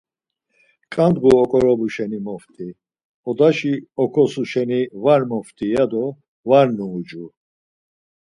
Ǩandğu oǩorobu şeni mopti, odaşi okosu şeni var mopti! ' ya do var nuucu.